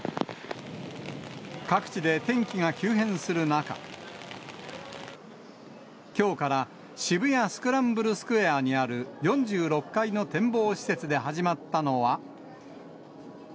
各地で天気が急変する中、きょうから渋谷スクランブルスクエアにある４６階の展望施設で始まったのは。